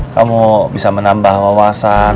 kamu bisa menambah wawasan